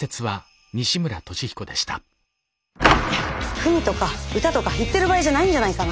文とか歌とか言ってる場合じゃないんじゃないかな。